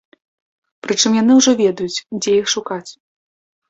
Прычым яны ўжо ведаюць, дзе іх шукаць.